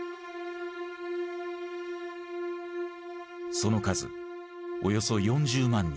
その数およそ４０万人。